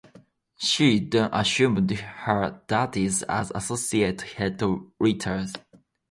She then assumed her duties as Associate Head Writer.